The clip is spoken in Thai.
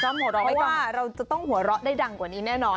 หมดเราไม่กล้าเราจะต้องหัวเราะได้ดังกว่านี้แน่นอน